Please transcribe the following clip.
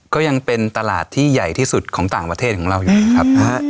ก็ยังเป็นตลาดที่ใหญ่ที่สุดของต่างประเทศของเราอยู่ครับ